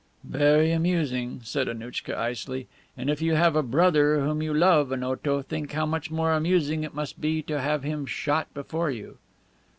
"Very amusing," said Annouchka icily. "And if you have a brother whom you love, Onoto, think how much more amusing it must be to have him shot before you."